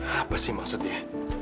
apa sih maksudnya